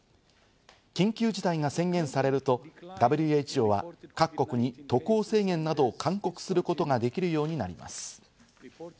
緊急事態宣言が出されると、ＷＨＯは各国に渡航制限などを勧告することができるようになります。